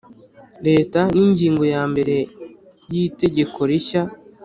Leta n ingingo ya mbere y itegeko rishya